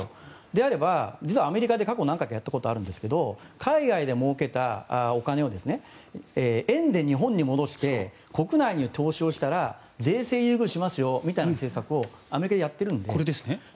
であれば、実はアメリカで過去何回かやったことがあるんですが海外でもうけたお金を円で日本に戻して国内に投資をしたら税制優遇しますよみたいな政策をアメリカでやってるので。